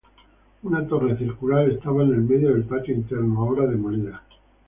Una torre circular estaba en el medio del patio interno, ahora demolida.